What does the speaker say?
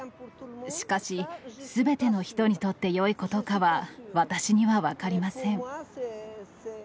しかし、すべての人にとってよいことかは私には分かりません。